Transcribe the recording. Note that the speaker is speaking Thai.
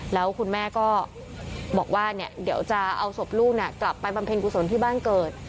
แล้วคุณแม่ก็บอกว่าเดี๋ยวจะเอาศพลูกกลับไปบำเพ็ญกุศลที่บ้านเกิด